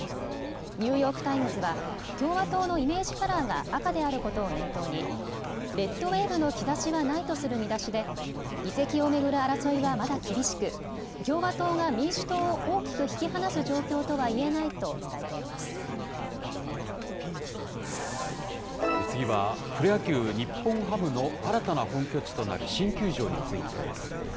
ニューヨーク・タイムズは、共和党のイメージカラーが赤であることを念頭に、レッド・ウェーブの兆しはないとする見出しで、議席を巡る争いはまだ厳しく、共和党が民主党を大きく引き離す状況と次はプロ野球・日本ハムの新たな本拠地となる新球場についてです。